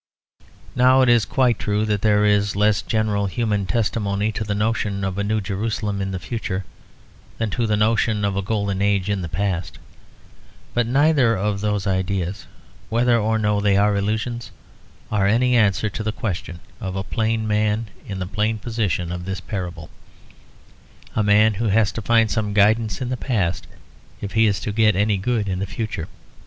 Now it is quite true that there is less general human testimony to the notion of a New Jerusalem in the future than to the notion of a Golden Age in the past. But neither of those ideas, whether or no they are illusions, are any answer to the question of a plain man in the plain position of this parable; a man who has to find some guidance in the past if he is to get any good in the future.